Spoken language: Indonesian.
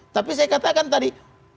tapi saya katakan tadi